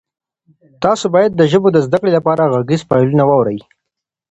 تاسي باید د ژبو د زده کړې لپاره غږیز فایلونه واورئ.